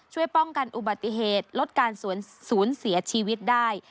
ช่วยป้องกันอุบัติเหตุลดการสูญเสียชีวิตได้